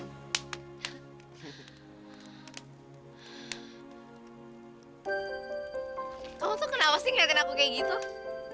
kamu tuh kenapa sih ngeliatin aku kayak gitu